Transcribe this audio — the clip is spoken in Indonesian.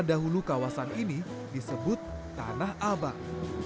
dahulu kawasan ini disebut tanah abang